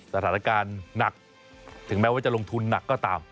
สถานการณ์หนักถึงแม้ว่าจะลงทุนหนักก็ตาม